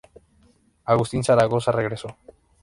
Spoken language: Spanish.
Agustín Zaragoza regresó.